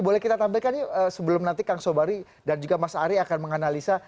boleh kita tampilkan yuk sebelum nanti kang sobari dan juga mas ari akan menganalisa